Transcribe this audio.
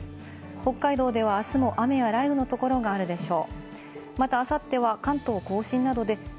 北海道では明日も雨や雷雨の所があるでしょう。